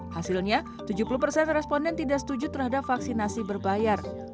hasilnya tujuh puluh persen responden tidak setuju terhadap vaksinasi berbayar